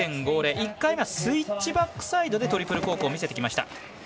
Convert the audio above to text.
１回目はスイッチバックサイドでトリプルコークを見せてきました。